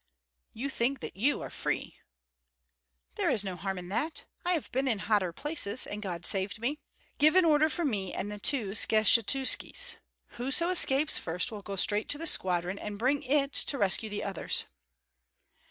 "You think that you are free!" "There is no harm in that. I have been in hotter places, and God saved me. Give an order for me and the two Skshetuskis. Whoso escapes first will go straight to the squadron, and bring it to rescue the others."